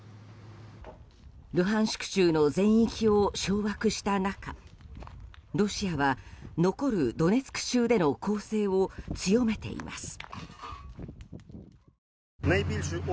ルハンシク州の全域を掌握した中ロシアは残るドネツク州での攻勢を強めています。